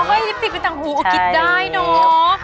อ๋อเฮ้ยลิปสติกเป็นต่างหูอุ๊ยกิดได้เนอะ